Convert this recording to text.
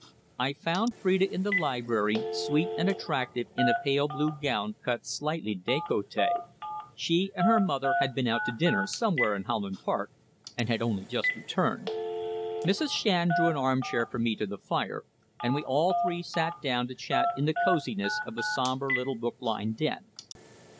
I found Phrida in the library, sweet and attractive in a pale blue gown cut slightly décolletée. She and her mother had been out to dinner somewhere in Holland Park, and had only just returned. Mrs. Shand drew an armchair for me to the fire, and we all three sat down to chat in the cosiness of the sombre little book lined den.